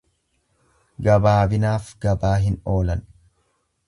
Gabaabinaaf gabaa hin oolan.